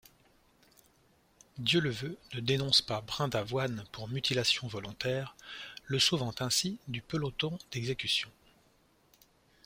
Dieuleveut ne dénonce pas Brindavoine pour mutilation volontaire, le sauvant ainsi du peloton d'exécution.